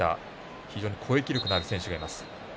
非常に攻撃力のある選手がいます。